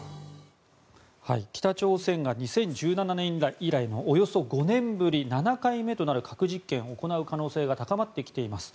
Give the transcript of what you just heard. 北朝鮮が２０１７年以来のおよそ５年ぶり７回目となる核実験を行う可能性が高まってきています。